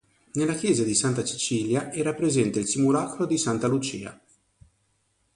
Nella Chiesa di Santa Cecilia era presente il simulacro di Santa Lucia.